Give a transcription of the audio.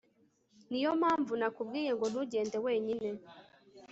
Niyo mpamvu nakubwiye ngo ntugende wenyine